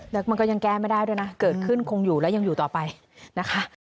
แล้วมันก็ยังแก้ไม่ได้ด้วยนะเกิดขึ้นคงอยู่แล้วยังอยู่ต่อไปนะคะ